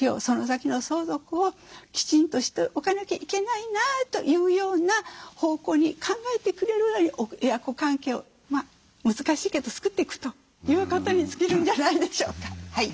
その先の相続をきちんとしておかなきゃいけないなというような方向に考えてくれるぐらいに親子関係を難しいけど作っていくということに尽きるんじゃないでしょうか。